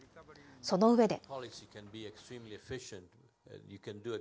その上で。